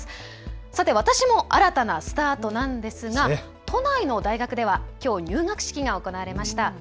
さて私も新たなスタートなんですが、都内の大学ではきょう入学式が行われました。